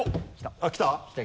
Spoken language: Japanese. あっきた？